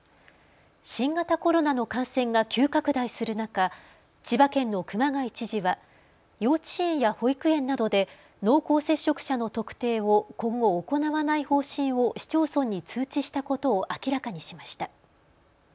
新型コロナの感染が急拡大する中、千葉県の熊谷知事は幼稚園や保育園などで濃厚接触者の特定を今後行わない方針を市町村に通知したことを明らかにしました。